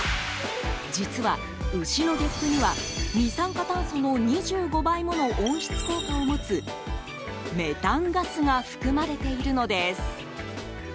実は牛のげっぷには二酸化炭素の２５倍もの温室効果を持つメタンガスが含まれているのです。